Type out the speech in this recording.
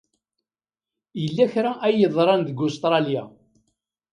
Yella kra ay yeḍran deg Ustṛalya.